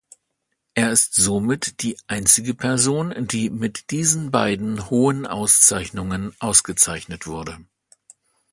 Er ist somit die einzige Person, die mit diesen beiden hohen Auszeichnungen ausgezeichnet wurde.